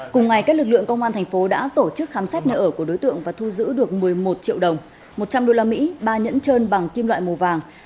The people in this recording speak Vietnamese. cùng ngày các lực lượng công an thành phố đã tổ chức khám xét nơi ở của đối tượng và thu giữ được một mươi một triệu đồng một trăm linh usd ba nhẫn trơn bằng kim loại màu vàng